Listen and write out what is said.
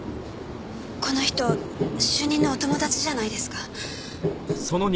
この人主任のお友達じゃないですか？